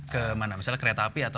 ke mana misalnya kereta api